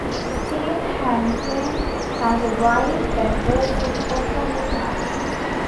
Steve Hansgen has a wife that works in performing arts.